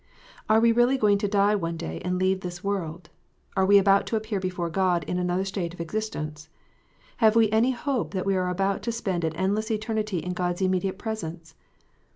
Are we really going to die one day and leave this world ? Are we about to appear before God in another state of existence ? Have we any hope that we are about to spend an endless eternity in God s immediate presence